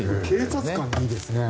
警察官にいいですね。